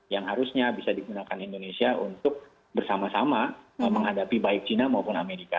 yang harusnya bisa digunakan indonesia untuk bersama sama menghadapi baik china maupun amerika